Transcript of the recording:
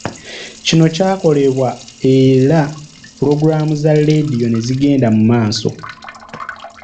Kino kyakolebwa era pulogulaamu za leediyo ne zigenda mu maaso.